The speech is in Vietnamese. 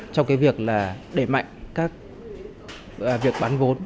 trong cái việc là đẩy mạnh các việc bán vốn